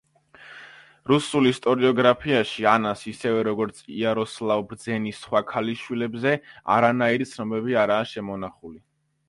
რუსულ ისტორიოგრაფიაში ანას, ისევე როგორც იაროსლავ ბრძენის სხვა ქალიშვილებზე, არანაირი ცნობები არაა შემონახული.